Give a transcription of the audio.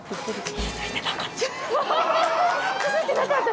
気づいてなかった！